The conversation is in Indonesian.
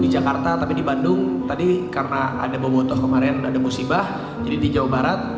di jakarta tapi di bandung tadi karena ada bobotoh kemarin ada musibah jadi di jawa barat